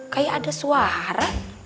kayak ada suara